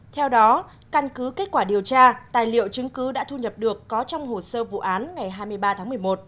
theo đó căn cứ kết quả điều tra tài liệu chứng cứ đã thu nhập được có trong hồ sơ vụ án ngày hai mươi ba tháng một mươi một